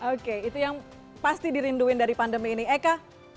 oke itu yang pasti dirinduin dari pandemi ini eka